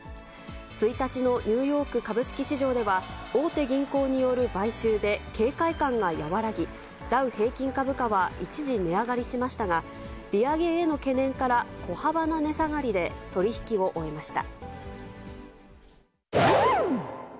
１日のニューヨーク株式市場では、大手銀行による買収で警戒感が和らぎ、ダウ平均株価は一時、値上がりしましたが、利上げへの懸念から小幅な値下がりで取り引きを終えました。